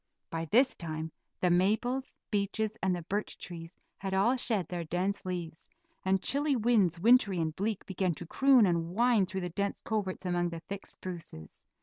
By this time the maples, beeches, and the birch trees had all shed their dense leaves, and chilly winds, wintry and bleak, began to croon and whine through the dense coverts among the thick spruces.